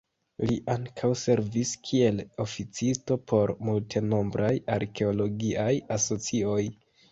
Li ankaŭ servis kiel oficisto por multenombraj arkeologiaj asocioj.